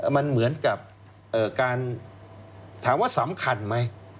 มันเหมือนกับการถามว่าสำคัญไหม